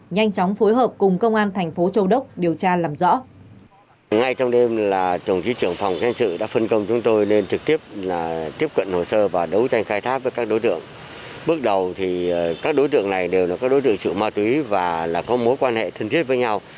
nhanh chóng phối hợp cùng công an thành phố châu đốc điều tra làm rõ